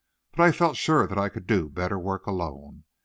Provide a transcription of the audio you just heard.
But I felt sure I could do better work alone.